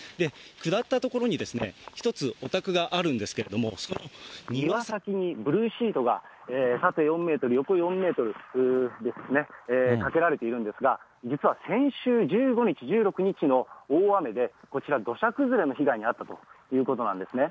下った所に、１つお宅があるんですけれども、庭先にブルーシートが縦４メートル、横４メートルですね、かけられているんですが、実は先週１５日、１６日の大雨で、こちら、土砂崩れの被害に遭ったということなんですね。